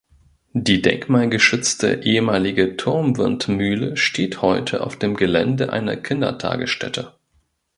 Die denkmalgeschützte ehemalige Turmwindmühle steht heute auf dem Gelände einer Kindertagesstätte.